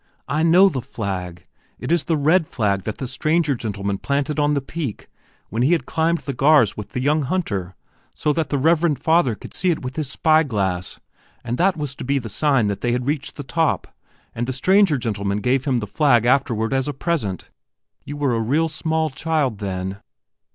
I know the flag, it is the red flag that the stranger gentleman planted on the peak, when he had climbed the Gars with the young hunter, so that the reverend father could see it with his spyglass, and that was to be the sign that they had reached the top, and the stranger gentleman gave him the flag afterward as a present. You were a real small child, then."